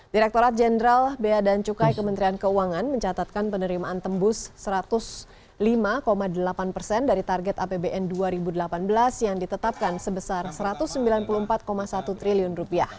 direkturat jenderal bea dan cukai kementerian keuangan mencatatkan penerimaan tembus rp satu ratus lima delapan persen dari target apbn dua ribu delapan belas yang ditetapkan sebesar rp satu ratus sembilan puluh empat satu triliun